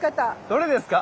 どれですか？